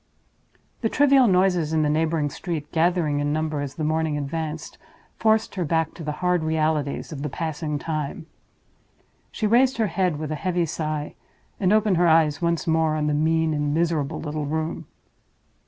The trivial noises in the neighboring street, gathering in number as the morning advanced, forced her back to the hard realities of the passing time. She raised her head with a heavy sigh, and opened her eyes once more on the mean and miserable little room.